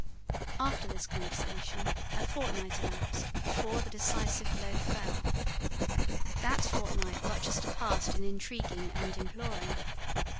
After this conversation, a fortnight elapsed before the decisive blow fell. That fortnight Rochester passed in intriguing and imploring.